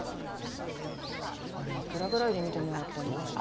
あれいくらぐらいで見てもらってんだろ？